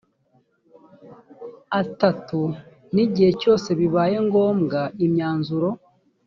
atatu n igihe cyose bibaye ngombwa imyanzuro